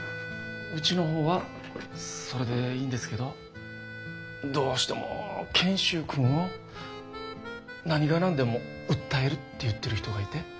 うちの方はそれでいいんですけどどうしても賢秀君を何が何でも訴えるって言ってる人がいて。